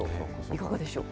いかがでしょう。